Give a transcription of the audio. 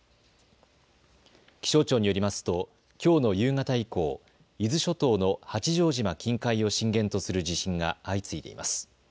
気象庁によりますときょうの夕方以降、伊豆諸島の八丈島近海を震源とする地震が相次いでいます。